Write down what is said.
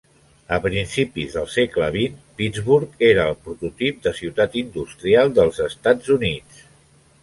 A principis del segle XX, Pittsburgh era el prototip de ciutat industrial dels Estats Units.